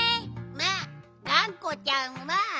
まっがんこちゃんは。